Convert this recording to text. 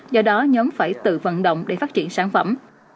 do đó nhóm phải tự vận động để phát triển sản phẩm